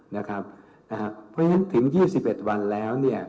เพราะฉะนั้นถึง๒๑วันแล้ว